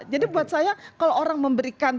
jadi buat saya kalau orang memberikan